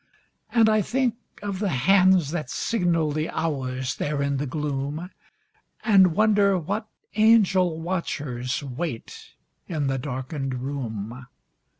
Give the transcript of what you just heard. And I think of the hands that signal The hours there in the gloom, And wonder what angel watchers Wait in the darkened room.